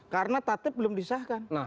karena tatip belum disahkan